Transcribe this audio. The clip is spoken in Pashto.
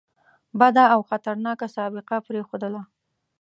بده او خطرناکه سابقه پرېښودله.